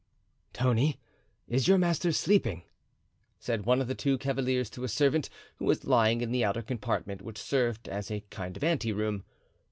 "Tony, is your master sleeping?" said one of the two cavaliers to a servant who was lying in the outer compartment, which served as a kind of ante room.